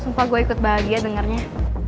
sumpah gue ikut bahagia dengarnya